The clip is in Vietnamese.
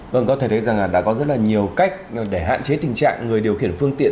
vâng có thể thấy rằng đã có rất là nhiều cách để hạn chế tình trạng người điều khiển phương tiện